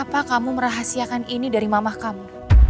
kenapa kamu merahasiakan ini dari mamah kamu